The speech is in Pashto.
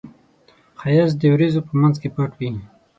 ښایست د وریځو په منځ کې پټ وي